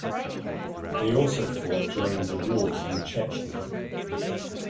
They also fought during the wars in Chechnya.